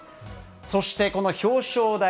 そして、この表彰台。